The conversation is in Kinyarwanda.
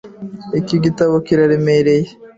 Iki gitabo kiraremereye .